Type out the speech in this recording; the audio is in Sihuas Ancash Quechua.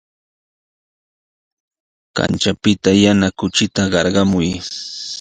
Kanchapita yana kuchita qarqamuy.